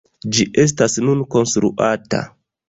Ĝi estas nun konstruata.